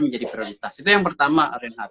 menjadi prioritas itu yang pertama reinhardt